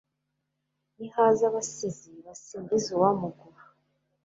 nihaza abasizi basingize uwamuguha